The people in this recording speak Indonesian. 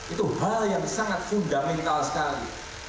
itu hal yang sangat fundamental sekali